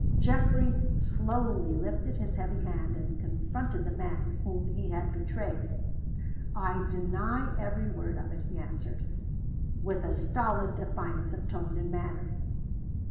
Geoffrey slowly lifted his heavy head, and confronted the man whom he had betrayed. "I deny every word of it," he answered with a stolid defiance of tone and manner.